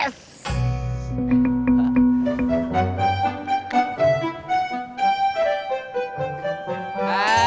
es dawat bikin seger buger